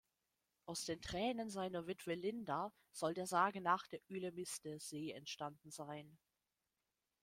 Aus den Tränen seiner Witwe Linda soll der Sage nach der Ülemiste-See entstanden sein.